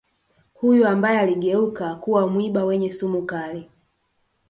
huyu ambaye aligeuka kuwa mwiba wenye sumu kali